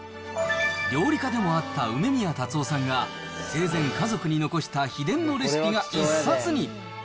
料理家でもあった梅宮辰夫さんが、生前家族に残した秘伝のレシピが一冊に。